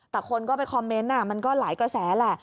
แต่คนก็ไปคอมเมนต์มันก็หลายกระแสแหละ